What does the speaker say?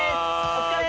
お疲れ！